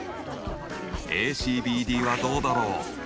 ＡＣＢＤはどうだろう？